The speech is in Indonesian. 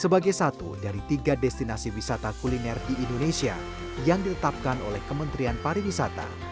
sebagai satu dari tiga destinasi wisata kuliner di indonesia yang ditetapkan oleh kementerian pariwisata